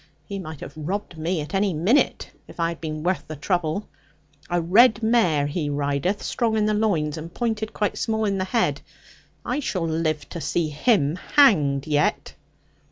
He might have robbed me at any minute, if I had been worth the trouble. A red mare he rideth, strong in the loins, and pointed quite small in the head. I shall live to see him hanged yet.'